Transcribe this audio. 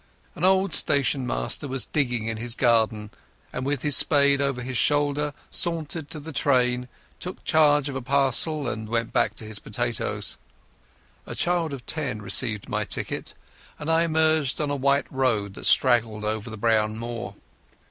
An old station master was digging in his garden, and with his spade over his shoulder sauntered to the train, took charge of a parcel, and went back to his potatoes. A child of ten received my ticket, and I emerged on a white road that straggled over the brown moor.